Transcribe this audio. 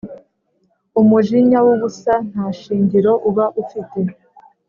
Umujinya w’ubusa nta shingiro uba ufite,